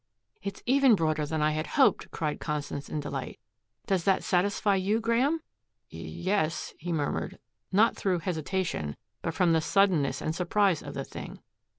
"It is even broader than I had hoped," cried Constance in delight. "Does that satisfy you, Graeme?" "Y yes," he murmured, not through hesitation, but from the suddenness and surprise of the thing.